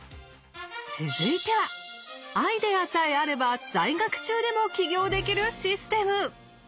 続いてはアイデアさえあれば在学中でも起業できるシステム。